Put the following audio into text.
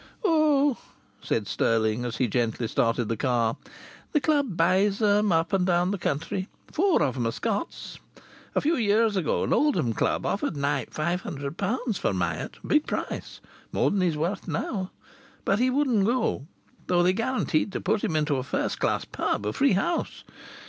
"Oh!" said Stirling as he gently started the car. "The club buys 'em, up and down the country. Four of 'em are Scots. A few years ago an Oldham club offered Knype £500 for Myatt, a big price more than he's worth now! But he wouldn't go, though they guaranteed to put him into a first class pub a free house.